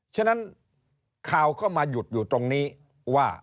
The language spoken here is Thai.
ฉะนั้นข่าวก็มาหยุดอยู่ตรงนี้ว่า